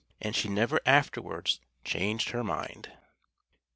And she never afterwards changed her mind.